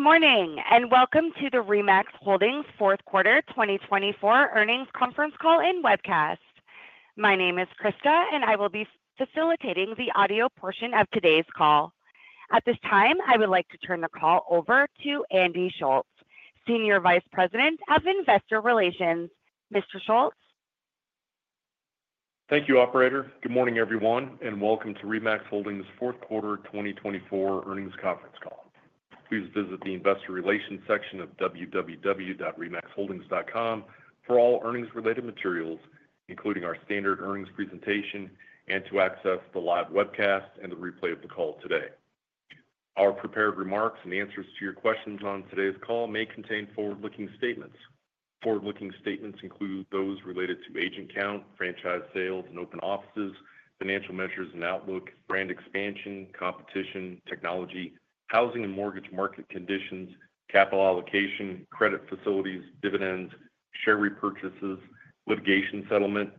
Good morning and welcome to the RE/MAX Holdings' fourth quarter 2024 earnings conference call and webcast. My name is Krista, and I will be facilitating the audio portion of today's call. At this time, I would like to turn the call over to Andy Schulz, Senior Vice President of Investor Relations. Mr. Schulz? Thank you, Operator. Good morning, everyone, and welcome to RE/MAX Holdings' fourth quarter 2024 earnings conference call. Please visit the Investor Relations section of www.remaxholdings.com for all earnings-related materials, including our standard earnings presentation, and to access the live webcast and the replay of the call today. Our prepared remarks and answers to your questions on today's call may contain forward-looking statements. Forward-looking statements include those related to agent count, franchise sales and open offices, financial measures and outlook, brand expansion, competition, technology, housing and mortgage market conditions, capital allocation, credit facilities, dividends, share repurchases, litigation settlement,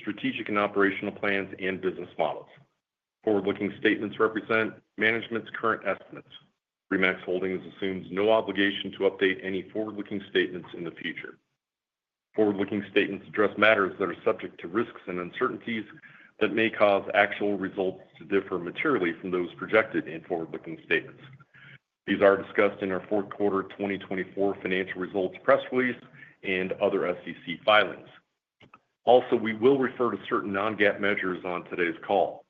strategic and operational plans, and business models. Forward-looking statements represent management's current estimates. RE/MAX Holdings assumes no obligation to update any forward-looking statements in the future. Forward-looking statements address matters that are subject to risks and uncertainties that may cause actual results to differ materially from those projected in forward-looking statements. These are discussed in our fourth quarter 2024 financial results press release and other SEC filings. Also, we will refer to certain non-GAAP measures on today's call.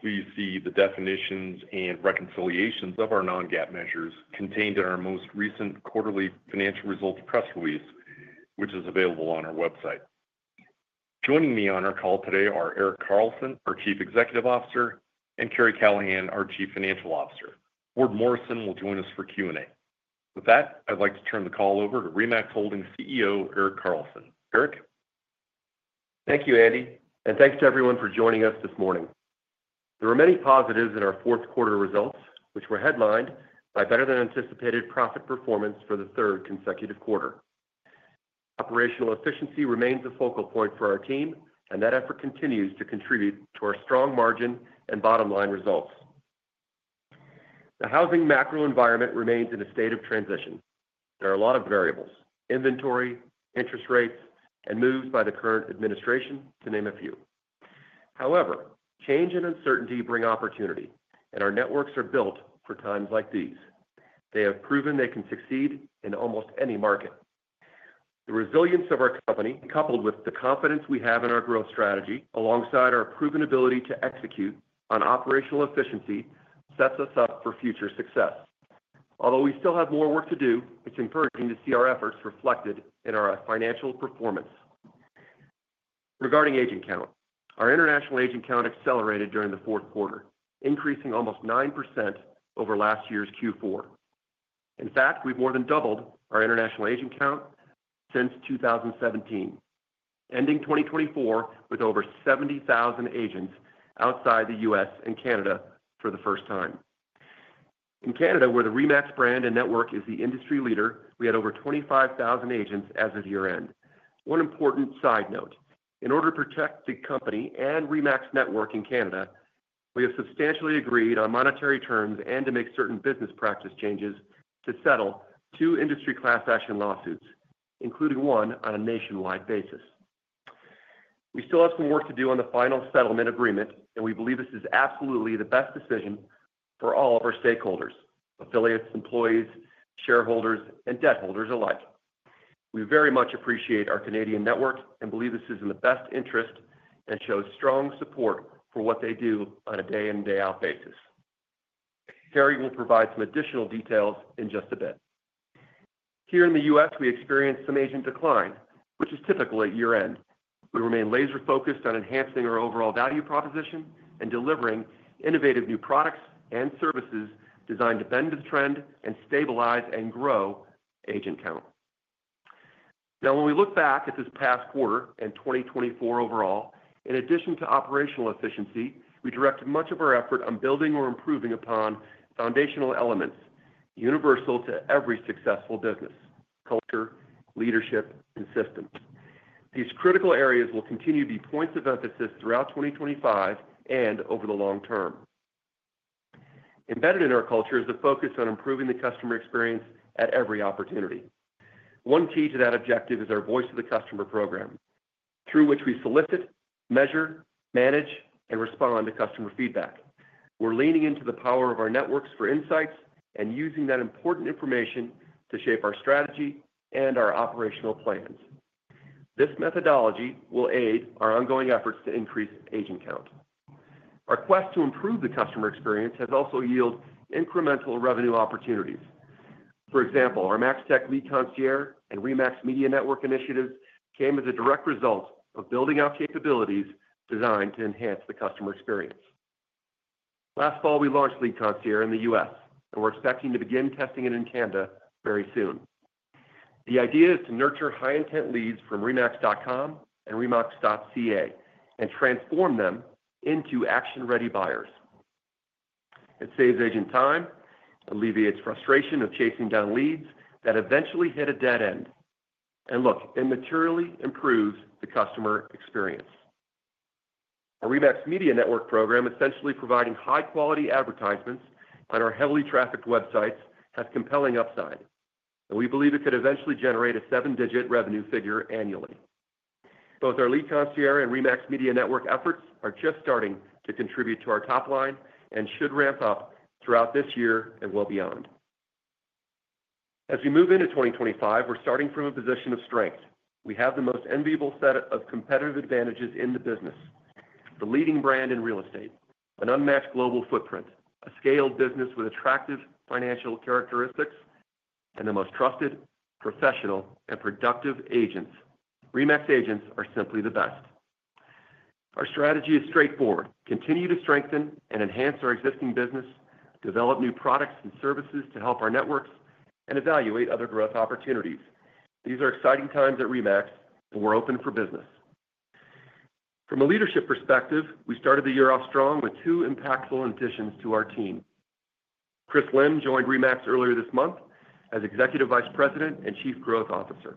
Please see the definitions and reconciliations of our non-GAAP measures contained in our most recent quarterly financial results press release, which is available on our website. Joining me on our call today are Erik Carlson, our Chief Executive Officer, and Karri Callahan, our Chief Financial Officer. Ward Morrison will join us for Q&A. With that, I'd like to turn the call over to RE/MAX Holdings CEO, Erik Carlson. Erik? Thank you, Andy, and thanks to everyone for joining us this morning. There were many positives in our fourth quarter results, which were headlined by better-than-anticipated profit performance for the third consecutive quarter. Operational efficiency remains a focal point for our team, and that effort continues to contribute to our strong margin and bottom-line results. The housing macro environment remains in a state of transition. There are a lot of variables: inventory, interest rates, and moves by the current administration, to name a few. However, change and uncertainty bring opportunity, and our networks are built for times like these. They have proven they can succeed in almost any market. The resilience of our company, coupled with the confidence we have in our growth strategy, alongside our proven ability to execute on operational efficiency, sets us up for future success. Although we still have more work to do, it's encouraging to see our efforts reflected in our financial performance. Regarding agent count, our international agent count accelerated during the fourth quarter, increasing almost 9% over last year's Q4. In fact, we've more than doubled our international agent count since 2017, ending 2024 with over 70,000 agents outside the U.S. and Canada for the first time. In Canada, where the RE/MAX brand and network is the industry leader, we had over 25,000 agents as of year-end. One important side note: in order to protect the company and RE/MAX network in Canada, we have substantially agreed on monetary terms and to make certain business practice changes to settle two industry class-action lawsuits, including one on a nationwide basis. We still have some work to do on the final settlement agreement, and we believe this is absolutely the best decision for all of our stakeholders: affiliates, employees, shareholders, and debt holders alike. We very much appreciate our Canadian network and believe this is in the best interest and shows strong support for what they do on a day-in and day-out basis. Karri will provide some additional details in just a bit. Here in the U.S., we experienced some agent decline, which is typical at year-end. We remain laser-focused on enhancing our overall value proposition and delivering innovative new products and services designed to bend the trend and stabilize and grow agent count. Now, when we look back at this past quarter and 2024 overall, in addition to operational efficiency, we directed much of our effort on building or improving upon foundational elements universal to every successful business: culture, leadership, and systems. These critical areas will continue to be points of emphasis throughout 2025 and over the long term. Embedded in our culture is the focus on improving the customer experience at every opportunity. One key to that objective is our Voice of the Customer program, through which we solicit, measure, manage, and respond to customer feedback. We're leaning into the power of our networks for insights and using that important information to shape our strategy and our operational plans. This methodology will aid our ongoing efforts to increase agent count. Our quest to improve the customer experience has also yielded incremental revenue opportunities. For example, our MAX/Tech Lead Concierge and RE/MAX Media Network initiatives came as a direct result of building out capabilities designed to enhance the customer experience. Last fall, we launched Lead Concierge in the U.S., and we're expecting to begin testing it in Canada very soon. The idea is to nurture high-intent leads from remax.com and remax.ca and transform them into action-ready buyers. It saves agent time, alleviates frustration of chasing down leads that eventually hit a dead end, and look, it materially improves the customer experience. Our RE/MAX Media Network program, essentially providing high-quality advertisements on our heavily trafficked websites, has compelling upside, and we believe it could eventually generate a seven-digit revenue figure annually. Both our Lead Concierge and RE/MAX Media Network efforts are just starting to contribute to our top line and should ramp up throughout this year and well beyond. As we move into 2025, we're starting from a position of strength. We have the most enviable set of competitive advantages in the business: the leading brand in real estate, an unmatched global footprint, a scaled business with attractive financial characteristics, and the most trusted, professional, and productive agents. RE/MAX agents are simply the best. Our strategy is straightforward: continue to strengthen and enhance our existing business, develop new products and services to help our networks, and evaluate other growth opportunities. These are exciting times at RE/MAX, and we're open for business. From a leadership perspective, we started the year off strong with two impactful additions to our team. Chris Lim joined RE/MAX earlier this month as Executive Vice President and Chief Growth Officer.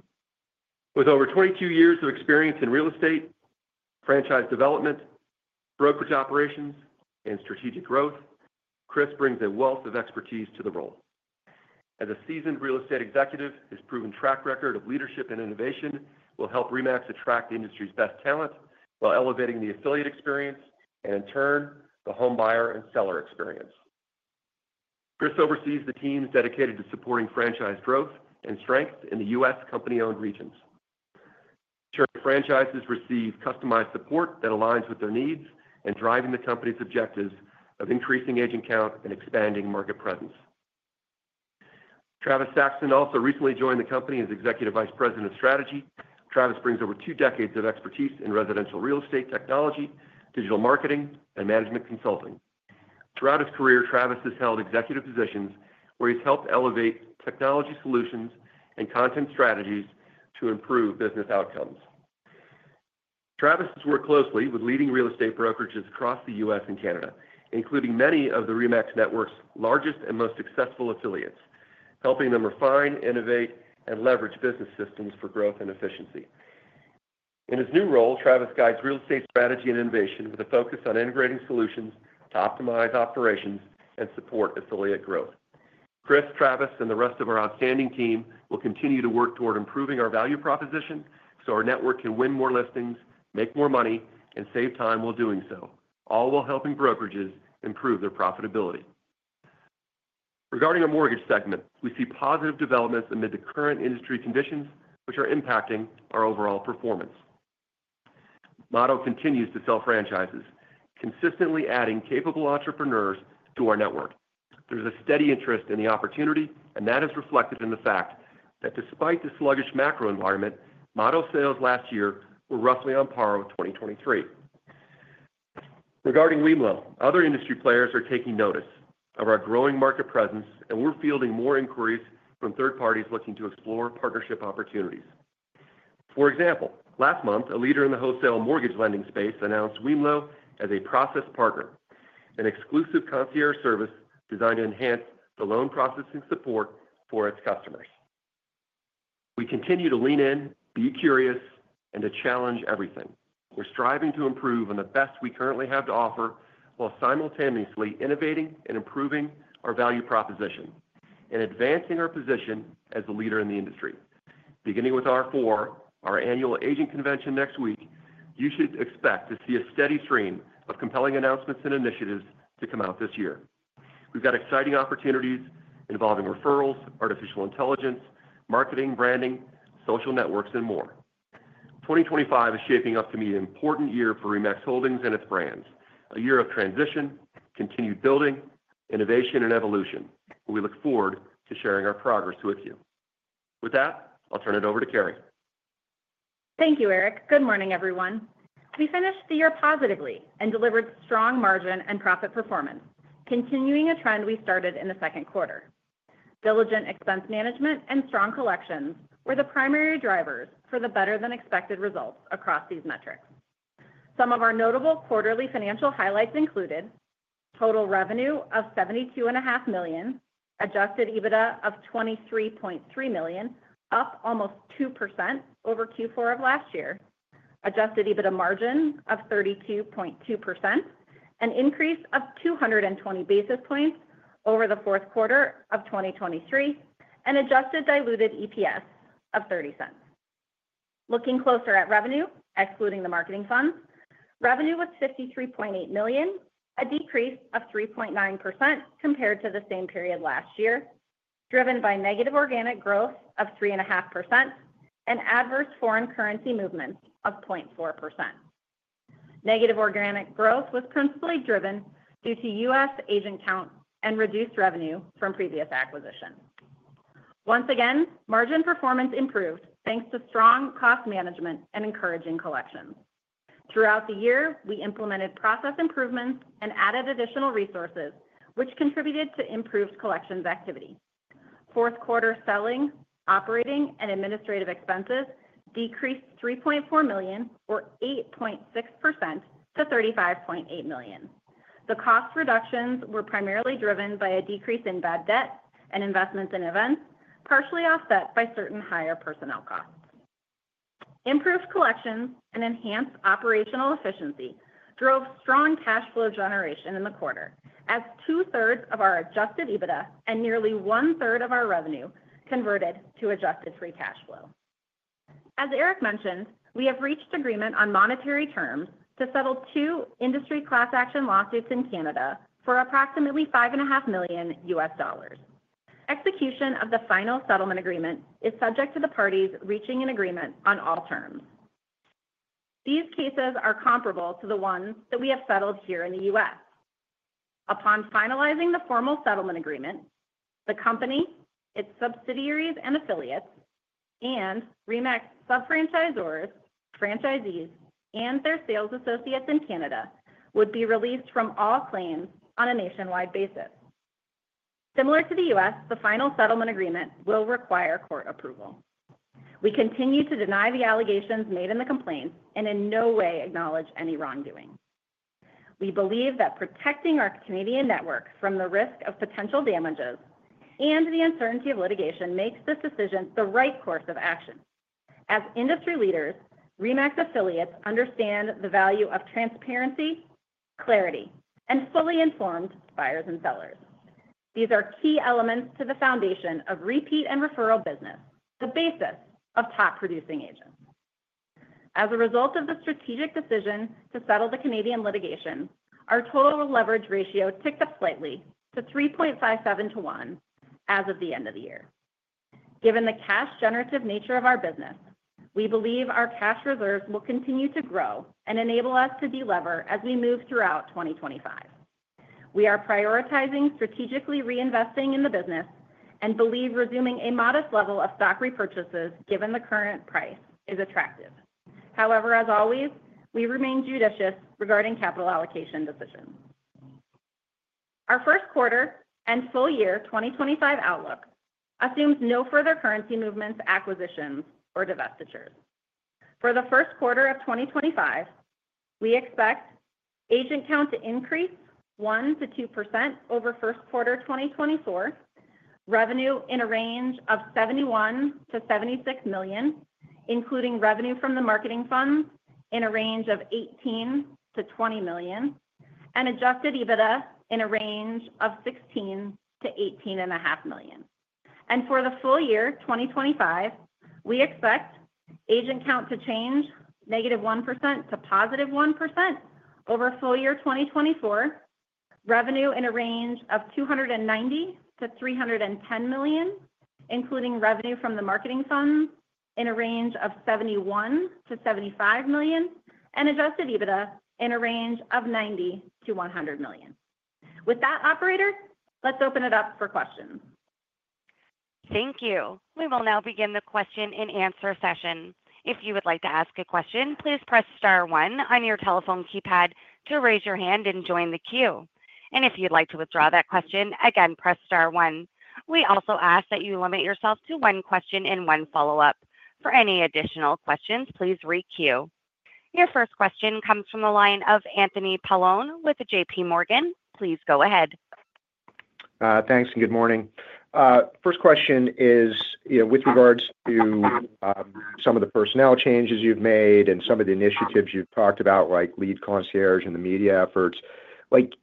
With over 22 years of experience in real estate, franchise development, brokerage operations, and strategic growth, Chris brings a wealth of expertise to the role. As a seasoned real estate executive, his proven track record of leadership and innovation will help RE/MAX attract the industry's best talent while elevating the affiliate experience and, in turn, the home buyer and seller experience. Chris oversees the teams dedicated to supporting franchise growth and strength in the U.S. company-owned regions. Ensure franchises receive customized support that aligns with their needs and driving the company's objectives of increasing agent count and expanding market presence. Travis Saxton also recently joined the company as Executive Vice President of Strategy. Travis brings over two decades of expertise in residential real estate technology, digital marketing, and management consulting. Throughout his career, Travis has held executive positions where he's helped elevate technology solutions and content strategies to improve business outcomes. Travis has worked closely with leading real estate brokerages across the U.S. and Canada, including many of the RE/MAX network's largest and most successful affiliates, helping them refine, innovate, and leverage business systems for growth and efficiency. In his new role, Travis guides real estate strategy and innovation with a focus on integrating solutions to optimize operations and support affiliate growth. Chris, Travis, and the rest of our outstanding team will continue to work toward improving our value proposition so our network can win more listings, make more money, and save time while doing so, all while helping brokerages improve their profitability. Regarding our mortgage segment, we see positive developments amid the current industry conditions, which are impacting our overall performance. Motto continues to sell franchises, consistently adding capable entrepreneurs to our network. There's a steady interest in the opportunity, and that is reflected in the fact that despite the sluggish macro environment, Motto sales last year were roughly on par with 2023. Regarding Wemlo, other industry players are taking notice of our growing market presence, and we're fielding more inquiries from third parties looking to explore partnership opportunities. For example, last month, a leader in the wholesale mortgage lending space announced Wemlo as a process partner, an exclusive concierge service designed to enhance the loan processing support for its customers. We continue to lean in, be curious, and to challenge everything. We're striving to improve on the best we currently have to offer while simultaneously innovating and improving our value proposition and advancing our position as a leader in the industry. Beginning with R4, our annual agent convention next week, you should expect to see a steady stream of compelling announcements and initiatives to come out this year. We've got exciting opportunities involving referrals, artificial intelligence, marketing, branding, social networks, and more. 2025 is shaping up to be an important year for RE/MAX Holdings and its brands, a year of transition, continued building, innovation, and evolution. We look forward to sharing our progress with you. With that, I'll turn it over to Karri. Thank you, Erik. Good morning, everyone. We finished the year positively and delivered strong margin and profit performance, continuing a trend we started in the second quarter. Diligent expense management and strong collections were the primary drivers for the better-than-expected results across these metrics. Some of our notable quarterly financial highlights included total revenue of $72.5 million, Adjusted EBITDA of $23.3 million, up almost 2% over Q4 of last year, Adjusted EBITDA margin of 32.2%, an increase of 220 basis points over the fourth quarter of 2023, and adjusted diluted EPS of $0.30. Looking closer at revenue, excluding the marketing funds, revenue was $53.8 million, a decrease of 3.9% compared to the same period last year, driven by negative organic growth of 3.5% and adverse foreign currency movements of 0.4%. Negative organic growth was principally driven due to U.S. agent count and reduced revenue from previous acquisitions. Once again, margin performance improved thanks to strong cost management and encouraging collections. Throughout the year, we implemented process improvements and added additional resources, which contributed to improved collections activity. Fourth quarter selling, operating, and administrative expenses decreased $3.4 million, or 8.6%, to $35.8 million. The cost reductions were primarily driven by a decrease in bad debt and investments in events, partially offset by certain higher personnel costs. Improved collections and enhanced operational efficiency drove strong cash flow generation in the quarter, as two-thirds of our adjusted EBITDA and nearly one-third of our revenue converted to adjusted free cash flow. As Erik mentioned, we have reached agreement on monetary terms to settle two industry class-action lawsuits in Canada for approximately $5.5 million U.S. dollars. Execution of the final settlement agreement is subject to the parties reaching an agreement on all terms. These cases are comparable to the ones that we have settled here in the U.S. Upon finalizing the formal settlement agreement, the company, its subsidiaries and affiliates, and RE/MAX sub-franchisors, franchisees, and their sales associates in Canada would be released from all claims on a nationwide basis. Similar to the U.S., the final settlement agreement will require court approval. We continue to deny the allegations made in the complaints and in no way acknowledge any wrongdoing. We believe that protecting our Canadian network from the risk of potential damages and the uncertainty of litigation makes this decision the right course of action. As industry leaders, RE/MAX affiliates understand the value of transparency, clarity, and fully informed buyers and sellers. These are key elements to the foundation of repeat and referral business, the basis of top producing agents. As a result of the strategic decision to settle the Canadian litigation, our total leverage ratio ticked up slightly to 3.57 to 1 as of the end of the year. Given the cash-generative nature of our business, we believe our cash reserves will continue to grow and enable us to de-lever as we move throughout 2025. We are prioritizing strategically reinvesting in the business and believe resuming a modest level of stock repurchases given the current price is attractive. However, as always, we remain judicious regarding capital allocation decisions. Our first quarter and full year 2025 outlook assumes no further currency movements, acquisitions, or divestitures. For the first quarter of 2025, we expect agent count to increase 1%-2% over first quarter 2024, revenue in a range of $71-$76 million, including revenue from the marketing funds in a range of $18-$20 million, and adjusted EBITDA in a range of $16-$18.5 million. For the full year 2025, we expect agent count to change negative 1% to positive 1% over full year 2024, revenue in a range of $290-$310 million, including revenue from the marketing funds in a range of $71-$75 million, and Adjusted EBITDA in a range of $90-$100 million. With that, operator, let's open it up for questions. Thank you. We will now begin the question and answer session. If you would like to ask a question, please press star one on your telephone keypad to raise your hand and join the queue. If you'd like to withdraw that question, again, press star one. We also ask that you limit yourself to one question and one follow-up. For any additional questions, please re-queue. Your first question comes from the line of Anthony Paolone with JPMorgan. Please go ahead. Thanks and good morning. First question is, with regards to some of the personnel changes you've made and some of the initiatives you've talked about, like Lead Concierge and the media efforts,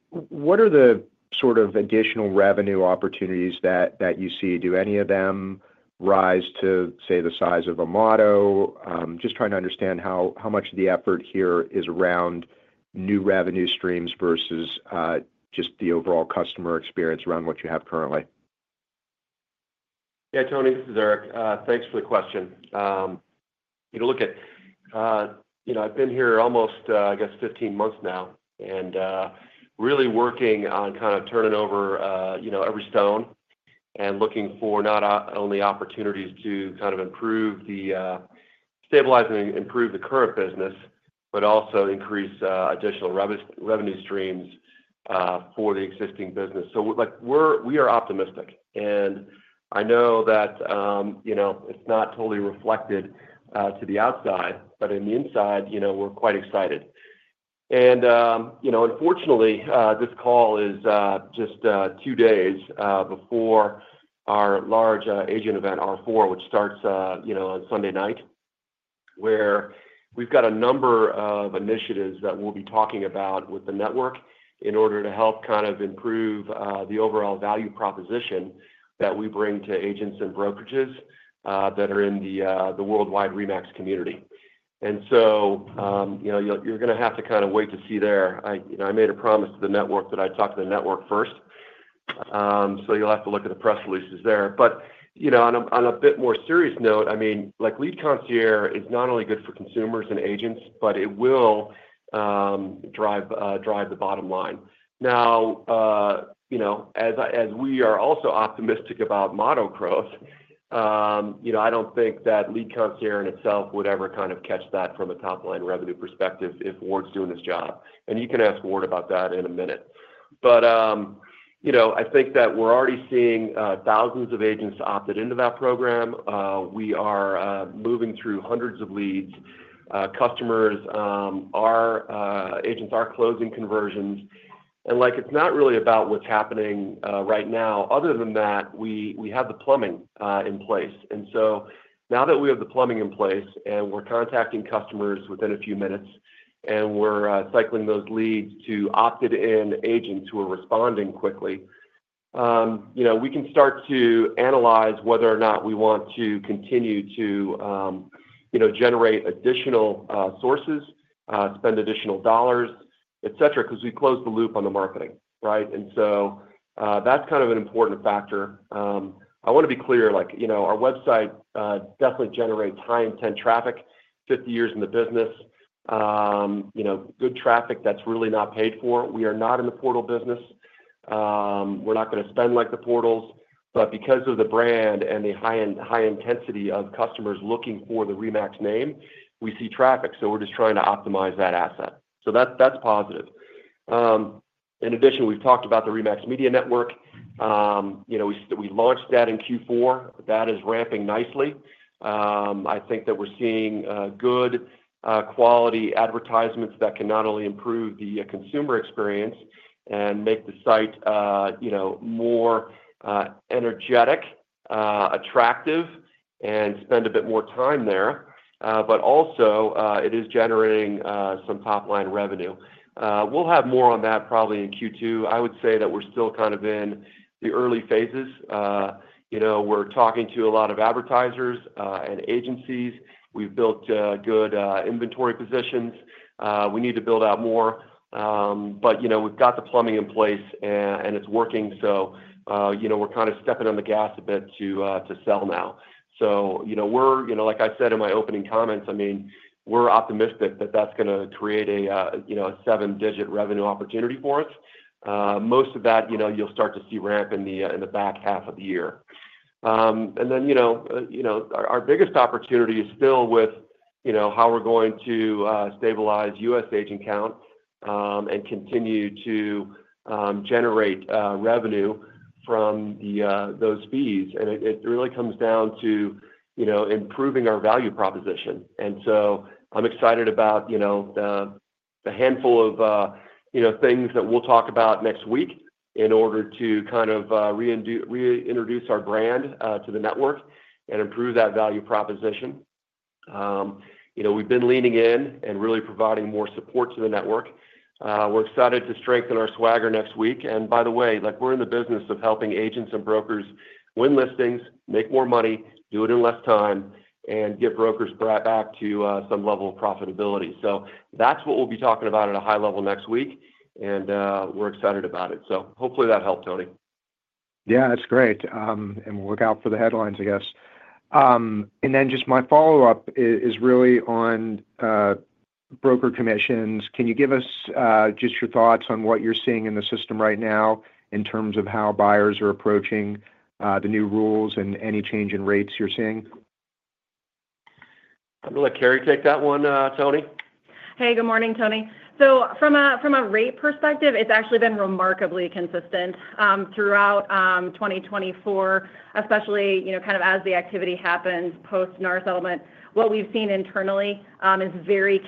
what are the sort of additional revenue opportunities that you see? Do any of them rise to, say, the size of a Motto? Just trying to understand how much of the effort here is around new revenue streams versus just the overall customer experience around what you have currently. Yeah, Tony, this is Erik. Thanks for the question. You know, look at, you know, I've been here almost, I guess, 15 months now and really working on kind of turning over every stone and looking for not only opportunities to kind of improve, stabilize, and improve the current business, but also increase additional revenue streams for the existing business. Like, we are optimistic. I know that, you know, it's not totally reflected to the outside, but on the inside, you know, we're quite excited. You know, unfortunately, this call is just two days before our large agent event, R4, which starts on Sunday night, where we've got a number of initiatives that we'll be talking about with the network in order to help kind of improve the overall value proposition that we bring to agents and brokerages that are in the worldwide RE/MAX community. You are going to have to kind of wait to see there. I made a promise to the network that I'd talk to the network first. You will have to look at the press releases there. On a bit more serious note, I mean, like, Lead Concierge is not only good for consumers and agents, but it will drive the bottom line. Now, as we are also optimistic about Motto growth, I don't think that Lead Concierge in itself would ever kind of catch that from a top-line revenue perspective if Ward's doing his job. You can ask Ward about that in a minute. I think that we're already seeing thousands of agents opted into that program. We are moving through hundreds of leads. Customers, our agents are closing conversions. It is not really about what is happening right now. Other than that, we have the plumbing in place. Now that we have the plumbing in place and we are contacting customers within a few minutes and we are cycling those leads to opted-in agents who are responding quickly, you know, we can start to analyze whether or not we want to continue to, you know, generate additional sources, spend additional dollars, etc., because we closed the loop on the marketing, right? That is kind of an important factor. I want to be clear, like, you know, our website definitely generates high-intent traffic, 50 years in the business, you know, good traffic that is really not paid for. We are not in the portal business. We are not going to spend like the portals. Because of the brand and the high intensity of customers looking for the RE/MAX name, we see traffic. We are just trying to optimize that asset. That is positive. In addition, we have talked about the RE/MAX Media Network. You know, we launched that in Q4. That is ramping nicely. I think that we are seeing good quality advertisements that can not only improve the consumer experience and make the site, you know, more energetic, attractive, and spend a bit more time there, but also it is generating some top-line revenue. We will have more on that probably in Q2. I would say that we are still kind of in the early phases. You know, we are talking to a lot of advertisers and agencies. We have built good inventory positions. We need to build out more. You know, we have got the plumbing in place and it is working. You know, we're kind of stepping on the gas a bit to sell now. You know, like I said in my opening comments, I mean, we're optimistic that that's going to create a seven-digit revenue opportunity for us. Most of that, you know, you'll start to see ramp in the back half of the year. You know, our biggest opportunity is still with, you know, how we're going to stabilize U.S. agent count and continue to generate revenue from those fees. It really comes down to, you know, improving our value proposition. I am excited about, you know, the handful of, you know, things that we'll talk about next week in order to kind of reintroduce our brand to the network and improve that value proposition. You know, we've been leaning in and really providing more support to the network. We're excited to strengthen our swagger next week. By the way, like, we're in the business of helping agents and brokers win listings, make more money, do it in less time, and get brokers brought back to some level of profitability. That is what we'll be talking about at a high level next week. We're excited about it. Hopefully that helped, Tony. Yeah, that's great. We'll look out for the headlines, I guess. My follow-up is really on broker commissions. Can you give us just your thoughts on what you're seeing in the system right now in terms of how buyers are approaching the new rules and any change in rates you're seeing? I'm going to let Karri take that one, Tony. Hey, good morning, Tony. From a rate perspective, it's actually been remarkably consistent throughout 2024, especially, you know, kind of as the activity happens post NAR settlement. What we've seen internally is a very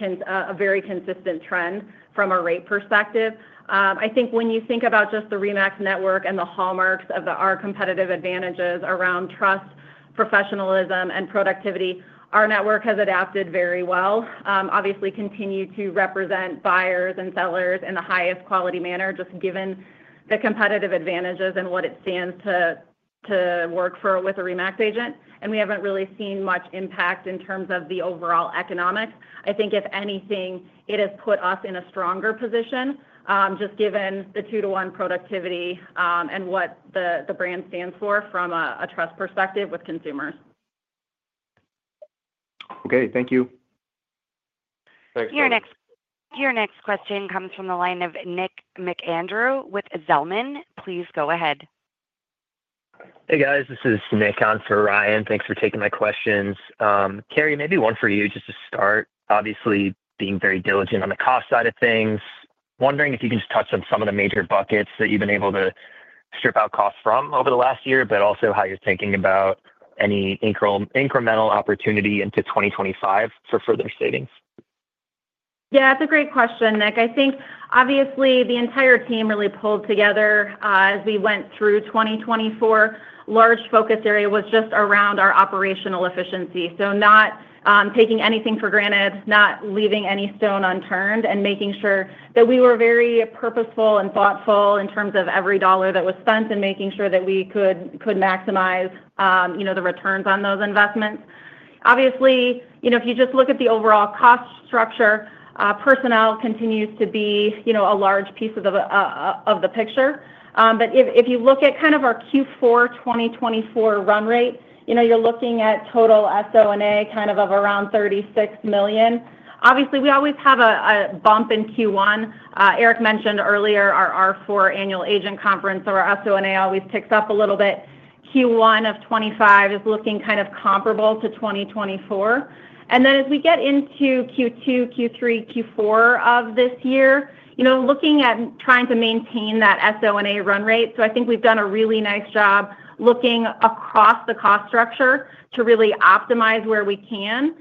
consistent trend from a rate perspective. I think when you think about just the RE/MAX network and the hallmarks of our competitive advantages around trust, professionalism, and productivity, our network has adapted very well. Obviously, continue to represent buyers and sellers in the highest quality manner, just given the competitive advantages and what it stands to work for with a RE/MAX agent. We haven't really seen much impact in terms of the overall economics. I think, if anything, it has put us in a stronger position, just given the two-to-one productivity and what the brand stands for from a trust perspective with consumers. Okay, thank you. Thanks, Tony. Your next question comes from the line of Nick McAndrew with Zelman. Please go ahead. Hey, guys. This is Nick on for Ryan. Thanks for taking my questions. Karri, maybe one for you just to start. Obviously, being very diligent on the cost side of things, wondering if you can just touch on some of the major buckets that you've been able to strip out costs from over the last year, but also how you're thinking about any incremental opportunity into 2025 for further savings. Yeah, that's a great question, Nick. I think, obviously, the entire team really pulled together as we went through 2024. Large focus area was just around our operational efficiency. Not taking anything for granted, not leaving any stone unturned, and making sure that we were very purposeful and thoughtful in terms of every dollar that was spent and making sure that we could maximize, you know, the returns on those investments. Obviously, you know, if you just look at the overall cost structure, personnel continues to be, you know, a large piece of the picture. If you look at kind of our Q4 2024 run rate, you know, you're looking at total SO&A kind of of around $36 million. Obviously, we always have a bump in Q1. Erik mentioned earlier our R4 Annual Agent Conference, so our SO&A always ticks up a little bit. Q1 of 2025 is looking kind of comparable to 2024. As we get into Q2, Q3, Q4 of this year, you know, looking at trying to maintain that SO&A run rate. I think we've done a really nice job looking across the cost structure to really optimize where we can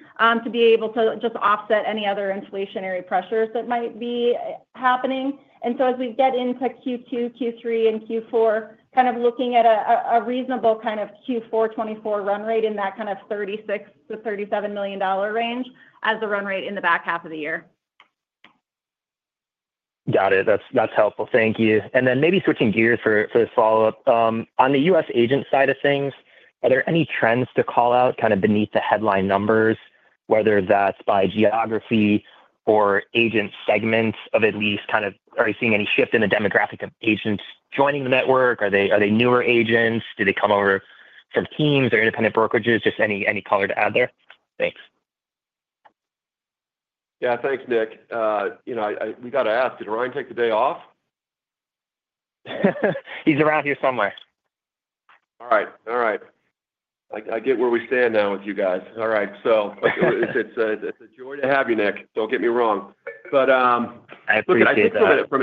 to be able to just offset any other inflationary pressures that might be happening. As we get into Q2, Q3, and Q4, kind of looking at a reasonable kind of Q4 2024 run rate in that $36 million-$37 million range as the run rate in the back half of the year. Got it. That's helpful. Thank you. Maybe switching gears for this follow-up. On the U.S. agent side of things, are there any trends to call out kind of beneath the headline numbers, whether that's by geography or agent segments of at least kind of, are you seeing any shift in the demographic of agents joining the network? Are they newer agents? Do they come over from teams or independent brokerages? Just any color to add there. Thanks. Yeah, thanks, Nick. You know, we got to ask, did Ryan take the day off? He's around here somewhere. All right. All right. I get where we stand now with you guys. All right. It's a joy to have you, Nick. Don't get me wrong. Look, I think from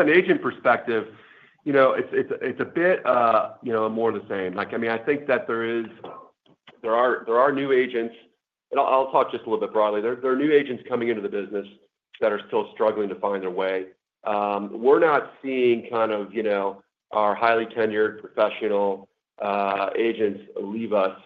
an agent perspective, you know, it's a bit more of the same. I mean, I think that there are new agents. I'll talk just a little bit broadly. There are new agents coming into the business that are still struggling to find their way. We're not seeing, you know, our highly tenured professional agents leave us,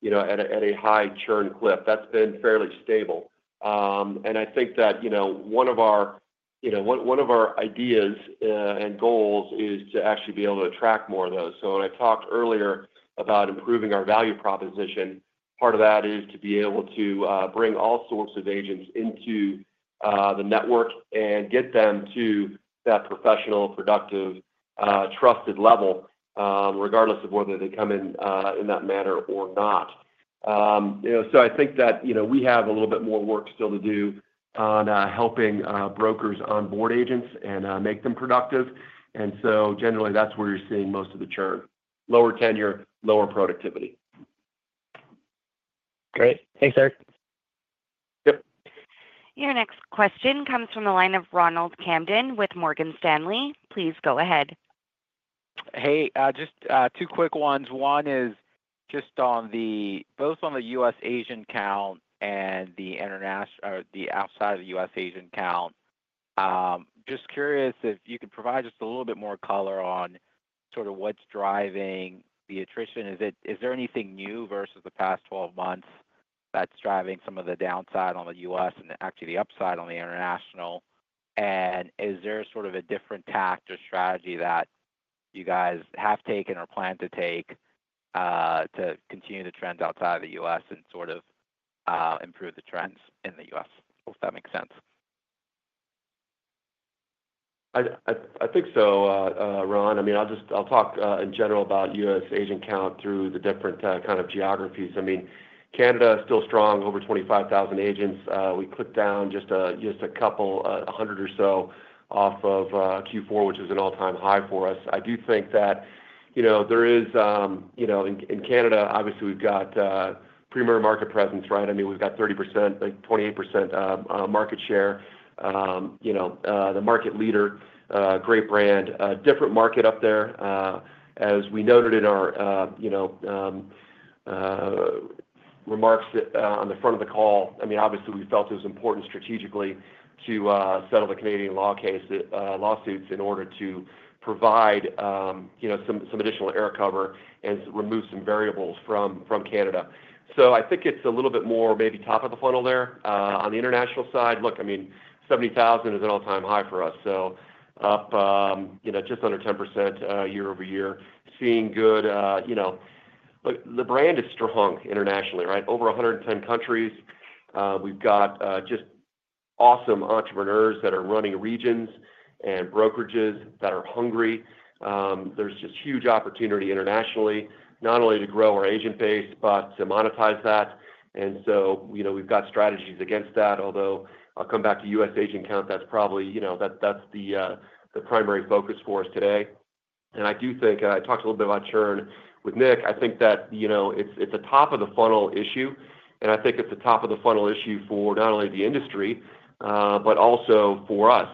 you know, at a high churn cliff. That's been fairly stable. I think that, you know, one of our, you know, one of our ideas and goals is to actually be able to attract more of those. When I talked earlier about improving our value proposition, part of that is to be able to bring all sorts of agents into the network and get them to that professional, productive, trusted level, regardless of whether they come in that manner or not. You know, I think that, you know, we have a little bit more work still to do on helping brokers onboard agents and make them productive. Generally, that's where you're seeing most of the churn. Lower tenure, lower productivity. Great. Thanks, Erik. Yep. Your next question comes from the line of Ronald Kamdem with Morgan Stanley. Please go ahead. Hey, just two quick ones. One is just on both the U.S. agent count and the outside of the U.S. agent count. Just curious if you could provide just a little bit more color on sort of what's driving the attrition. Is there anything new versus the past 12 months that's driving some of the downside on the U.S. and actually the upside on the international? Is there sort of a different tact or strategy that you guys have taken or plan to take to continue the trends outside of the U.S. and sort of improve the trends in the U.S., if that makes sense? I think so, Ron. I mean, I'll just talk in general about U.S. agent count through the different kind of geographies. I mean, Canada is still strong, over 25,000 agents. We clipped down just a couple, a hundred or so off of Q4, which is an all-time high for us. I do think that, you know, there is, you know, in Canada, obviously, we've got pre-market presence, right? I mean, we've got 30%, like 28% market share, you know, the market leader, great brand. Different market up there. As we noted in our, you know, remarks on the front of the call, I mean, obviously, we felt it was important strategically to settle the Canadian lawsuits in order to provide, you know, some additional air cover and remove some variables from Canada. I think it's a little bit more maybe top of the funnel there. On the international side, look, I mean, 70,000 is an all-time high for us. Up, you know, just under 10% year-over-year. Seeing good, you know, the brand is strong internationally, right? Over 110 countries. We've got just awesome entrepreneurs that are running regions and brokerages that are hungry. There's just huge opportunity internationally, not only to grow our agent base, but to monetize that. You know, we've got strategies against that. Although I'll come back to U.S. agent count, that's probably, you know, that's the primary focus for us today. I do think, and I talked a little bit about churn with Nick, I think that, you know, it's a top of the funnel issue. I think it's a top of the funnel issue for not only the industry, but also for us.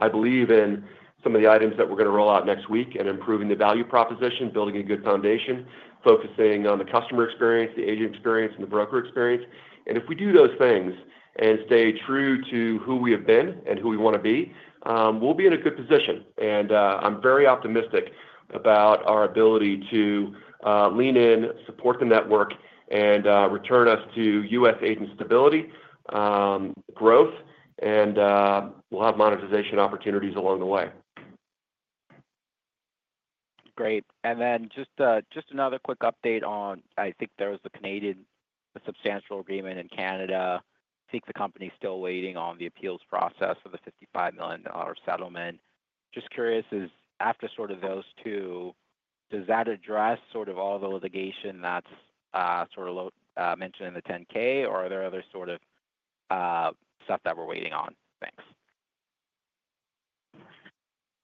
I believe in some of the items that we're going to roll out next week and improving the value proposition, building a good foundation, focusing on the customer experience, the agent experience, and the broker experience. If we do those things and stay true to who we have been and who we want to be, we'll be in a good position. I am very optimistic about our ability to lean in, support the network, and return us to U.S. agent stability, growth, and we'll have monetization opportunities along the way. Great. Just another quick update on, I think there was a substantial agreement in Canada. I think the company is still waiting on the appeals process for the $55 million settlement. Just curious, after sort of those two, does that address sort of all the litigation that's sort of mentioned in the 10-K, or are there other sort of stuff that we're waiting on? Thanks.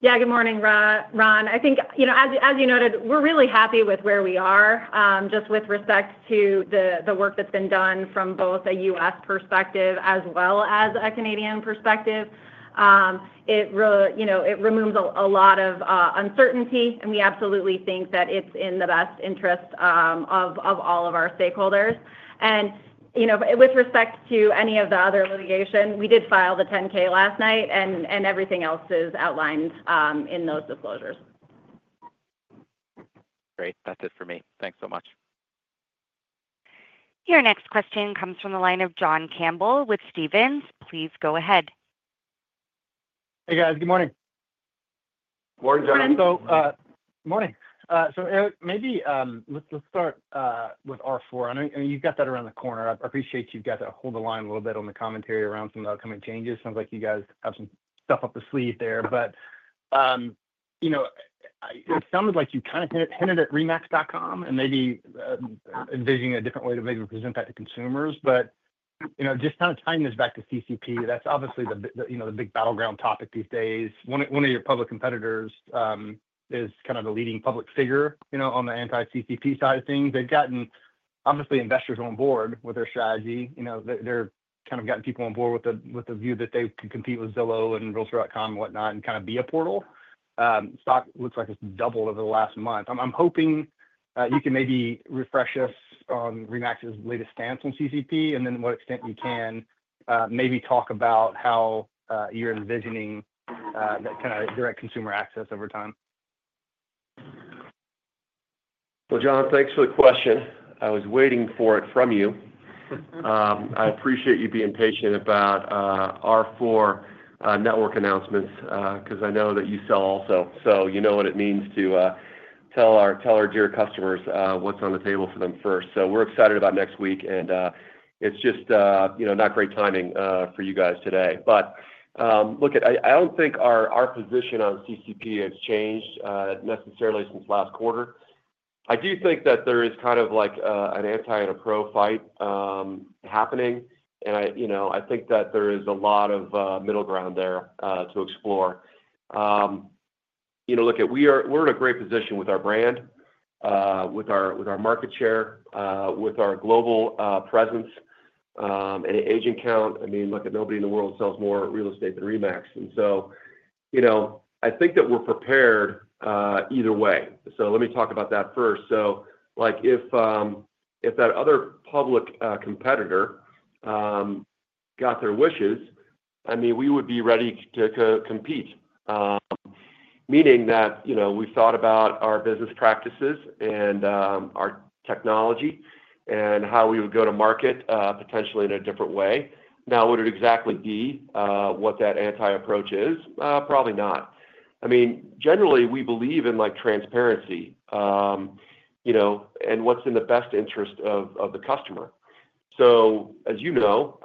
Yeah, good morning, Ron. I think, you know, as you noted, we're really happy with where we are, just with respect to the work that's been done from both a U.S. perspective as well as a Canadian perspective. It, you know, it removes a lot of uncertainty, and we absolutely think that it's in the best interest of all of our stakeholders. You know, with respect to any of the other litigation, we did file the 10-K last night, and everything else is outlined in those disclosures. Great. That's it for me. Thanks so much. Your next question comes from the line of John Campbell with Stephens. Please go ahead. Hey, guys. Good morning. Morning, John. Morning. Good morning. Maybe let's start with R4. I know you've got that around the corner. I appreciate you've got to hold the line a little bit on the commentary around some of the upcoming changes. Sounds like you guys have some stuff up your sleeve there. You know, it sounded like you kind of hinted at RE/MAX.com and maybe envisioning a different way to maybe present that to consumers. You know, just kind of tying this back to CCP, that's obviously the big battleground topic these days. One of your public competitors is kind of a leading public figure, you know, on the anti-CCP side of things. They've gotten obviously investors on board with their strategy. You know, they've kind of gotten people on board with the view that they can compete with Zillow and realtor.com and whatnot and kind of be a portal. Stock looks like it's doubled over the last month. I'm hoping you can maybe refresh us on RE/MAX's latest stance on CCP and then to what extent you can maybe talk about how you're envisioning that kind of direct consumer access over time. John, thanks for the question. I was waiting for it from you. I appreciate you being patient about R4 network announcements because I know that you sell also. You know what it means to tell our dear customers what's on the table for them first. We're excited about next week, and it's just, you know, not great timing for you guys today. Look, I don't think our position on CCP has changed necessarily since last quarter. I do think that there is kind of like an anti and a pro fight happening. And I, you know, I think that there is a lot of middle ground there to explore. You know, look, we're in a great position with our brand, with our market share, with our global presence. And agent count, I mean, look, nobody in the world sells more real estate than RE/MAX. And so, you know, I think that we're prepared either way. Let me talk about that first. Like if that other public competitor got their wishes, I mean, we would be ready to compete. Meaning that, you know, we've thought about our business practices and our technology and how we would go to market potentially in a different way. Now, would it exactly be what that anti-approach is? Probably not. I mean, generally, we believe in like transparency, you know, and what's in the best interest of the customer. As you know,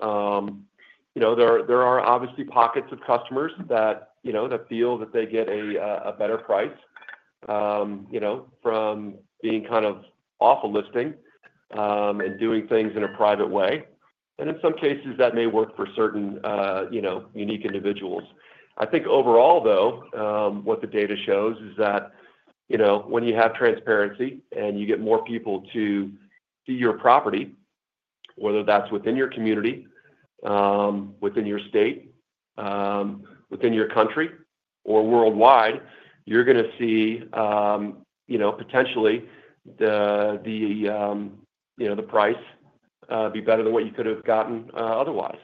there are obviously pockets of customers that, you know, that feel that they get a better price, you know, from being kind of off a listing and doing things in a private way. In some cases, that may work for certain, you know, unique individuals. I think overall, though, what the data shows is that, you know, when you have transparency and you get more people to see your property, whether that's within your community, within your state, within your country, or worldwide, you're going to see, you know, potentially the, you know, the price be better than what you could have gotten otherwise.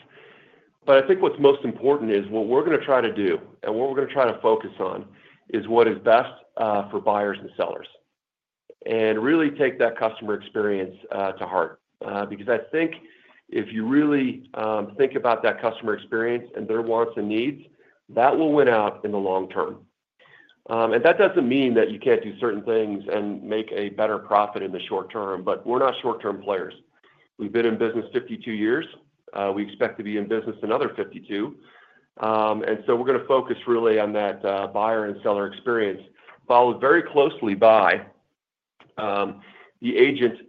I think what's most important is what we're going to try to do and what we're going to try to focus on is what is best for buyers and sellers and really take that customer experience to heart. Because I think if you really think about that customer experience and their wants and needs, that will win out in the long term. That doesn't mean that you can't do certain things and make a better profit in the short term, but we're not short-term players. We've been in business 52 years. We expect to be in business another 52. We're going to focus really on that buyer and seller experience, followed very closely by the agent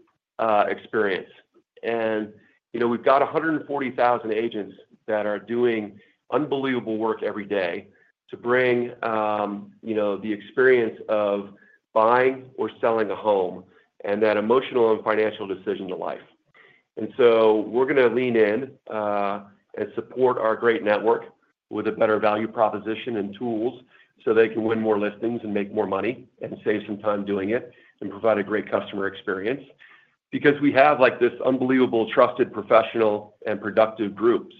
experience. You know, we've got 140,000 agents that are doing unbelievable work every day to bring, you know, the experience of buying or selling a home and that emotional and financial decision to life. We are going to lean in and support our great network with a better value proposition and tools so they can win more listings and make more money and save some time doing it and provide a great customer experience because we have like this unbelievable, trusted, professional, and productive group.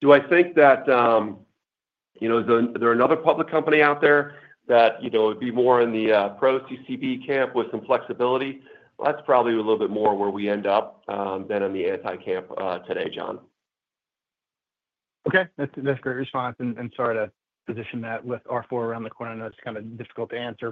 Do I think that, you know, is there another public company out there that, you know, would be more in the pro-CCP camp with some flexibility? That's probably a little bit more where we end up than in the anti-camp today, John. Okay. That's a great response. Sorry to position that with R4 around the corner. I know it's kind of difficult to answer.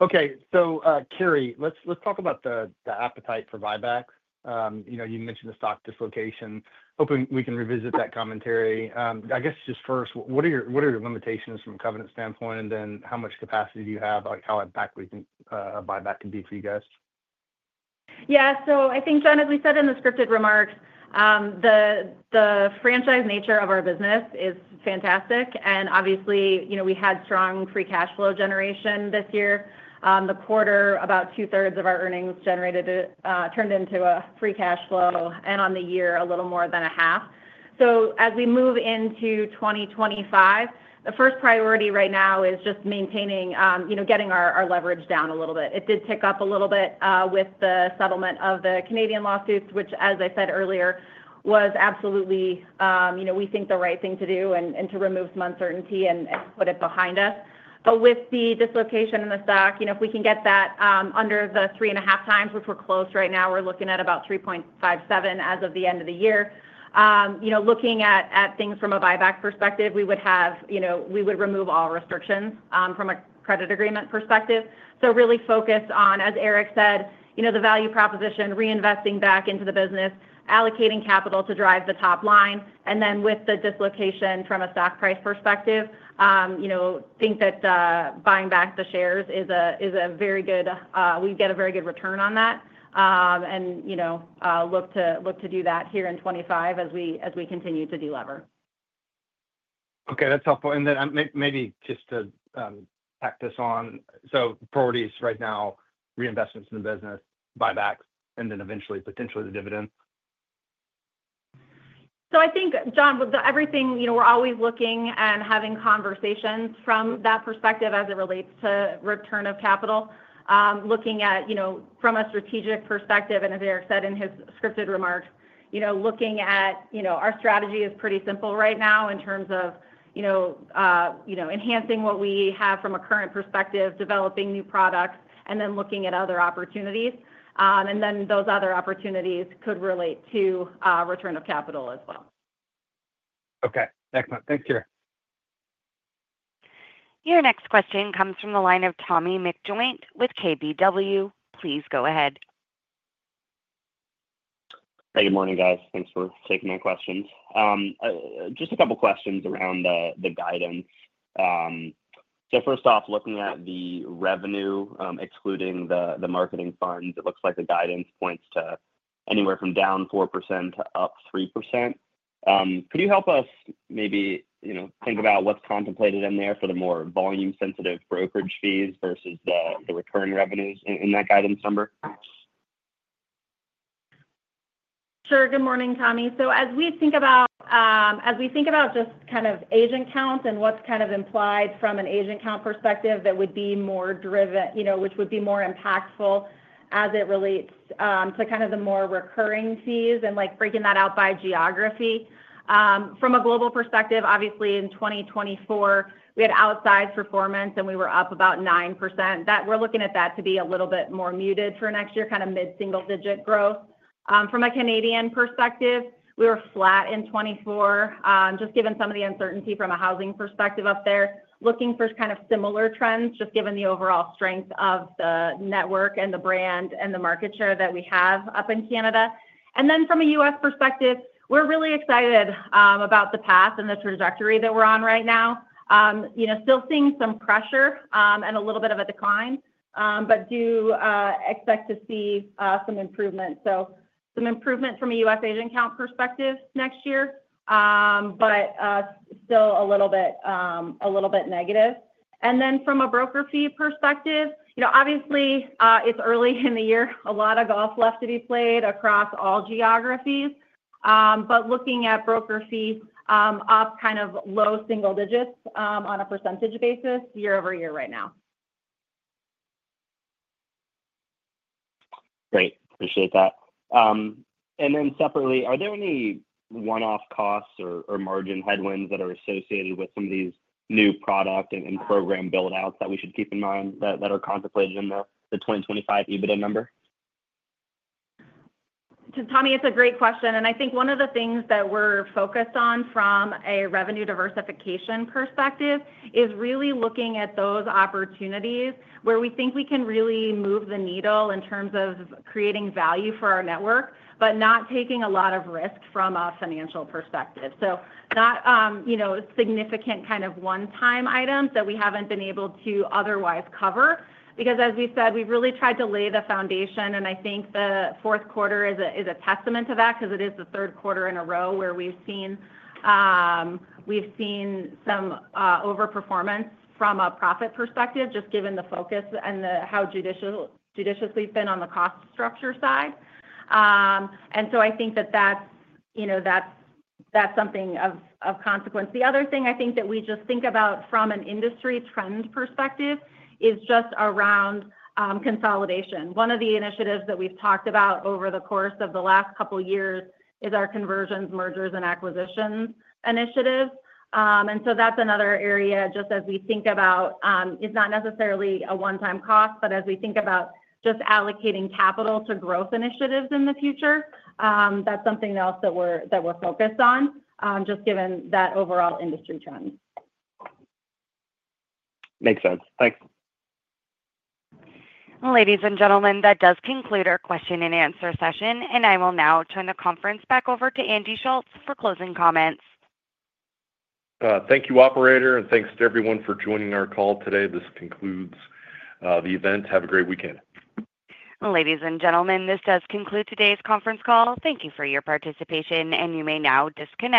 Okay. Karri, let's talk about the appetite for buybacks. You know, you mentioned the stock dislocation. Hoping we can revisit that commentary. I guess just first, what are your limitations from a covenant standpoint, and then how much capacity do you have, like how impactful a buyback can be for you guys? Yeah. I think, John, as we said in the scripted remarks, the franchise nature of our business is fantastic. Obviously, you know, we had strong free cash flow generation this year. The quarter, about two-thirds of our earnings generated, turned into a free cash flow, and on the year, a little more than a half. As we move into 2025, the first priority right now is just maintaining, you know, getting our leverage down a little bit. It did tick up a little bit with the settlement of the Canadian lawsuits, which, as I said earlier, was absolutely, you know, we think the right thing to do and to remove some uncertainty and put it behind us. With the dislocation in the stock, you know, if we can get that under the three and a half times, which we're close right now, we're looking at about 3.57 as of the end of the year. You know, looking at things from a buyback perspective, we would have, you know, we would remove all restrictions from a credit agreement perspective. Really focus on, as Erik said, you know, the value proposition, reinvesting back into the business, allocating capital to drive the top line. With the dislocation from a stock price perspective, you know, think that buying back the shares is a very good, we get a very good return on that. You know, look to do that here in 2025 as we continue to deliver. Okay. That's helpful. Maybe just to tack this on. Priorities right now, reinvestments in the business, buybacks, and then eventually, potentially the dividend. I think, John, with everything, you know, we're always looking and having conversations from that perspective as it relates to return of capital. Looking at, you know, from a strategic perspective, and as Erik said in his scripted remarks, you know, looking at, you know, our strategy is pretty simple right now in terms of, you know, enhancing what we have from a current perspective, developing new products, and then looking at other opportunities. Those other opportunities could relate to return of capital as well. Okay. Excellent. Thanks, Karri. Your next question comes from the line of Tommy McJoynt with KBW. Please go ahead. Hey, good morning, guys. Thanks for taking my questions. Just a couple of questions around the guidance. First off, looking at the revenue, excluding the marketing funds, it looks like the guidance points to anywhere from down 4% to up 3%. Could you help us maybe, you know, think about what's contemplated in there for the more volume-sensitive brokerage fees versus the return revenues in that guidance number? Sure. Good morning, Tommy. As we think about, as we think about just kind of agent count and what's kind of implied from an agent count perspective, that would be more driven, you know, which would be more impactful as it relates to kind of the more recurring fees and like breaking that out by geography. From a global perspective, obviously in 2024, we had outsized performance and we were up about 9%. We're looking at that to be a little bit more muted for next year, kind of mid-single-digit growth. From a Canadian perspective, we were flat in 2024, just given some of the uncertainty from a housing perspective up there. Looking for kind of similar trends, just given the overall strength of the network and the brand and the market share that we have up in Canada. And then from a U.S. perspective, we're really excited about the path and the trajectory that we're on right now. You know, still seeing some pressure and a little bit of a decline, but do expect to see some improvement. Some improvement from a U.S. agent count perspective next year, but still a little bit negative. From a broker fee perspective, you know, obviously it's early in the year, a lot of golf left to be played across all geographies. Looking at broker fees up kind of low single digits on a percentage basis year-over-year right now. Great. Appreciate that. Separately, are there any one-off costs or margin headwinds that are associated with some of these new product and program buildouts that we should keep in mind that are contemplated in the 2025 EBITDA number? Tommy, it's a great question. I think one of the things that we're focused on from a revenue diversification perspective is really looking at those opportunities where we think we can really move the needle in terms of creating value for our network, but not taking a lot of risk from a financial perspective. Not, you know, significant kind of one-time items that we haven't been able to otherwise cover. Because as we said, we've really tried to lay the foundation, and I think the fourth quarter is a testament to that because it is the third quarter in a row where we've seen some overperformance from a profit perspective, just given the focus and how judicious we've been on the cost structure side. I think that that's, you know, that's something of consequence. The other thing I think that we just think about from an industry trend perspective is just around consolidation. One of the initiatives that we've talked about over the course of the last couple of years is our conversions, mergers, and acquisitions initiative. That is another area just as we think about, it's not necessarily a one-time cost, but as we think about just allocating capital to growth initiatives in the future, that's something else that we're focused on, just given that overall industry trend. Makes sense. Thanks. Ladies and gentlemen, that does conclude our question and answer session. I will now turn the conference back over to Andy Schulz for closing comments. Thank you, operator. Thank you to everyone for joining our call today. This concludes the event. Have a great weekend. Ladies and gentlemen, this does conclude today's conference call. Thank you for your participation. You may now disconnect.